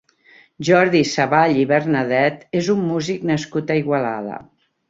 Jordi Savall i Bernadet és un músic nascut a Igualada.